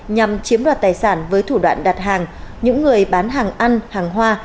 nhằm chiếm đoạt tài sản với thủ đoạn đặt hàng những người bán hàng ăn hàng hoa